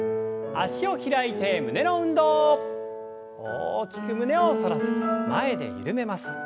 大きく胸を反らせて前で緩めます。